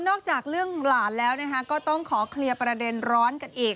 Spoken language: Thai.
จากเรื่องหลานแล้วก็ต้องขอเคลียร์ประเด็นร้อนกันอีก